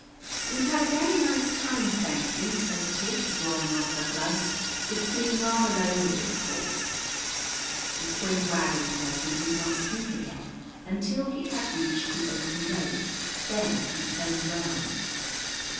"We've had a very nice time, thank you," said Tish, drawing on her gloves. "It's been rather lonely, of course." The spring wagon person did not speak again until he had reached the open road. Then he turned round.